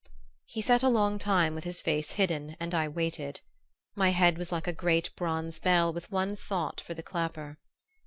He sat a long time with his face hidden and I waited. My head was like a great bronze bell with one thought for the clapper.